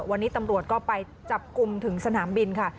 วันนี้ตำรวจก็ไปจับกลุ่มถึงสนามบินค่ะ